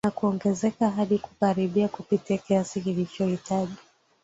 Na kuogezeka hadi kukaribia kupita kiasi kinachohitaji